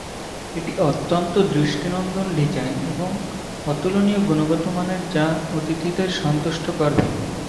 এটি অত্যন্ত দৃষ্টিনন্দন ডিজাইন এবং অতুলনীয় গুণগত মানের যা অতিথিদের সন্তুষ্ট করবে।